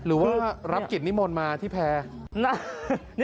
หรือว่ารับกิจนิมนต์มาที่แพร่